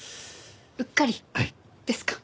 うっかりですか？